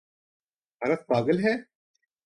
بھارت پاگل ہے؟